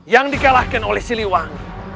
yang dikalahkan oleh siliwangi